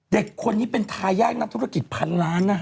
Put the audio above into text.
เด็กคนนี้เป็นทายาทนักธุรกิจพันล้านนะฮะ